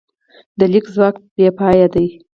د لیک ځواک بېپایه دی.